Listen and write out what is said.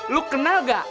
lo kenal gak